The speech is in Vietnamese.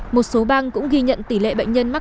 một số bang cũng ghi nhận tỷ lệ nhập viện tại bang texas